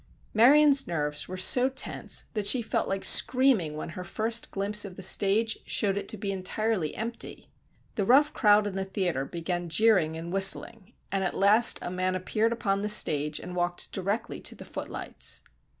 Marion's nerves were so tense that she felt like screaming when her first glimpse of the stage showed it to be entirely empty. The rough crowd in the theatre began jeering and whistling, and at last a man appeared upon the stage and walked directly to the footlights.